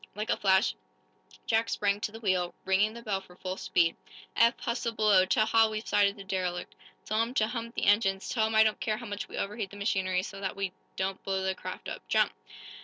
Like a flash Jack sprang to the wheel, ringing the bell for full speed. "Eph, hustle below! Tell Hal we've sighted the derelict. Tell him to hump the engines. Tell him I don't care how much we overheat the machinery so that we don't blow the craft up. Jump!"